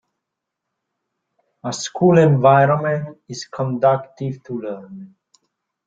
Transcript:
A school environment is conducive to learning.